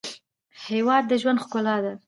هېواد د ژوند ښکلا ده.